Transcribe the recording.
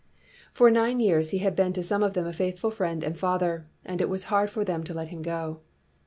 For nine years he had been to some of them a faithful friend and father, and it was hard for them to let him go.